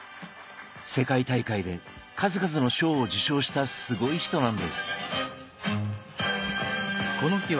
世界大会で数々の賞を受賞したすごい人なんです。